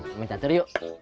main catur yuk